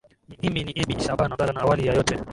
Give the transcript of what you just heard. imi ni ebi shaban abdala na awali ya yote